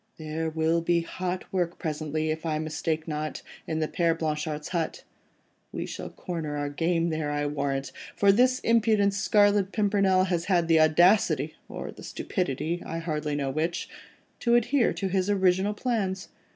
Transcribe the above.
There will be hot work presently, if I mistake not, in the Père Blanchard's hut. We shall corner our game there, I'll warrant, for this impudent Scarlet Pimpernel has had the audacity—or the stupidity, I hardly know which—to adhere to his original plans.